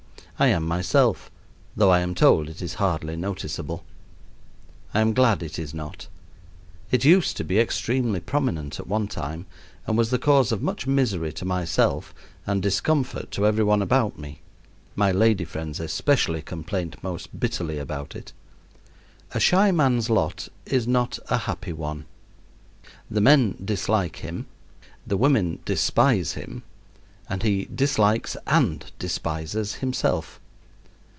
I am myself, though I am told it is hardly noticeable. I am glad it is not. It used to be extremely prominent at one time, and was the cause of much misery to myself and discomfort to every one about me my lady friends especially complained most bitterly about it. A shy man's lot is not a happy one. The men dislike him, the women despise him, and he dislikes and despises himself.